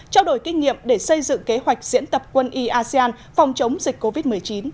trao đổi kinh nghiệm để xây dựng kế hoạch diễn tập quân y asean phòng chống dịch covid một mươi chín